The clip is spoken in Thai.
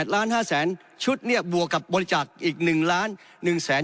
๘ล้าน๕แสนชุดเนี่ยบวกกับบริจักษ์อีก๑ล้าน๑แสน